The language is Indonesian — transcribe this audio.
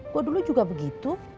gua dulu juga begitu